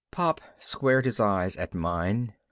Pop squared his eyes at mine.